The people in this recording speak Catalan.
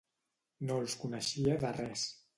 No els coneixia de res.